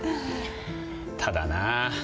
ただなぁ